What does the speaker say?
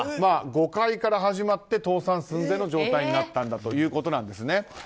誤解から始まって倒産寸前の状態になったんだということです。